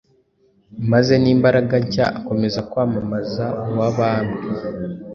maze n’imbaraga nshya, akomeza kwamamaza Uwabambwe.